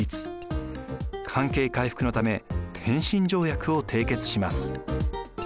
関係回復のため天津条約を締結します。